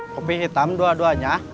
kopi hitam dua duanya